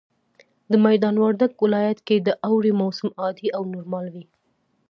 د ميدان وردګ ولايت کي د اوړي موسم عادي او نورمال وي